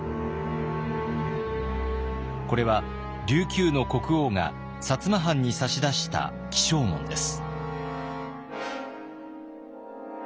これは琉球の国王が摩藩に差し出した起請文です。